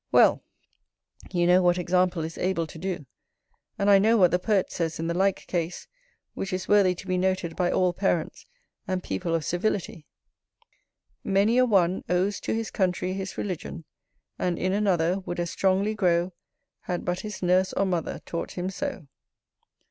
Well! you know what example is able to do; and I know what the poet says in the like case, which is worthy to be noted by all parents and people of civility: ....many a one Owes to his country his religion; And in another, would as strongly grow, Had but his nurse or mother taught him so.